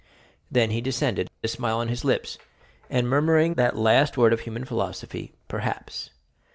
Then he descended, a smile on his lips, and murmuring that last word of human philosophy, "Perhaps!"